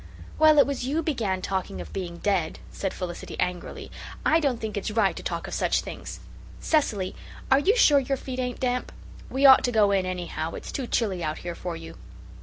"Well, it was you began talking of being dead," said Felicity angrily. "I don't think it's right to talk of such things. Cecily, are you sure your feet ain't damp? We ought to go in anyhow it's too chilly out here for you."